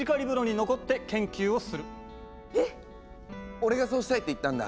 俺がそうしたいって言ったんだ。